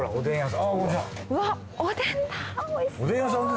うわっおでんだ！